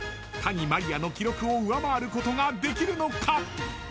［谷まりあの記録を上回ることができるのか？］